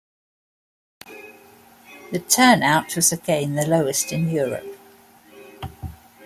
The turnout was again the lowest in Europe.